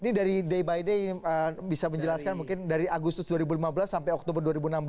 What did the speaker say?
ini dari day by day bisa menjelaskan mungkin dari agustus dua ribu lima belas sampai oktober dua ribu enam belas